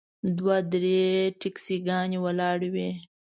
دوه درې ټیکسیانې ولاړې وې.